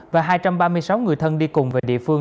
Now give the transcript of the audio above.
và hai trăm ba mươi sáu người thân đi cùng về địa phương